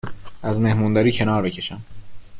از مهمونداری کنار بکشم